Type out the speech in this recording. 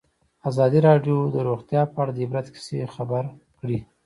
ازادي راډیو د روغتیا په اړه د عبرت کیسې خبر کړي.